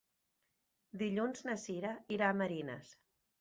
Dilluns na Sira irà a Marines.